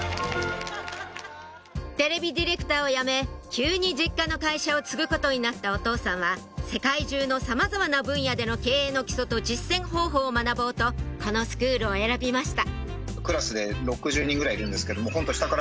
テレビディレクターをやめ急に実家の会社を継ぐことになったお父さんは世界中のさまざまな分野での経営の基礎と実践方法を学ぼうとこのスクールを選びました